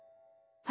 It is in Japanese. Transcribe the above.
はい。